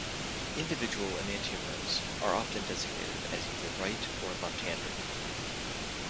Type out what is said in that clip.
Individual enantiomers are often designated as either "right-" or "left-handed".